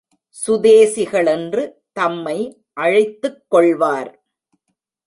சுதேசிகளென்று தம்மை அழைத்துக் கொள்வார்.